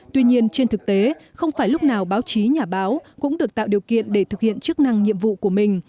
tuy nhiên trên thực tế không phải lúc nào báo chí nhà báo cũng được tạo điều kiện để thực hiện chức năng nhiệm vụ của mình